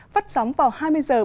phát sóng vào hai mươi h bốn mươi năm